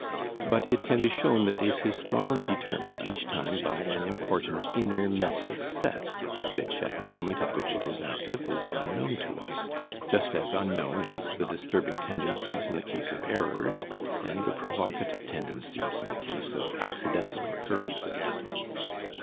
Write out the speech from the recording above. But it can be shown that it is strongly determined each time by an important inner mental set which, at the moment at which it is active, is unknown to us, just as unknown as the disturbing tendencies in the case of errors and the provocative tendencies in the case of accidental occurrences.